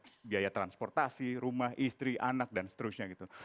ada biaya transportasi rumah istri anak dan seterusnya gitu